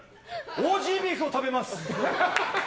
オージービーフを食べます！